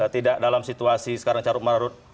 tidak dalam situasi sekarang carut marut